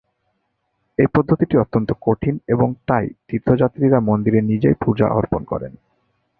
এই পদ্ধতিটি অত্যন্ত কঠিন এবং তাই তীর্থযাত্রীরা মন্দিরে নিজেই পূজা অর্পণ করেন।